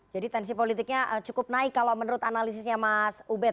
jadi tensi politiknya cukup naik kalau menurut analisisnya mas ubed